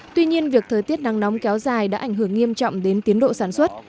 tuy nhiên việc thời tiết nắng nóng kéo dài đã ảnh hưởng nghiêm trọng đến tiến độ sản xuất